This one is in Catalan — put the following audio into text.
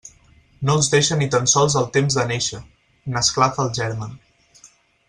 No els deixa ni tan sols el temps de néixer; n'esclafa el germen.